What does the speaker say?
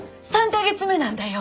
３か月目なんだよ。